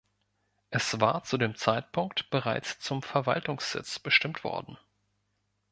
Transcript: Es war zu dem Zeitpunkt bereits zum Verwaltungssitz bestimmt worden.